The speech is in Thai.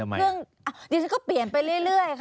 พิสูจน์ก็เปลี่ยนไปเรื่อย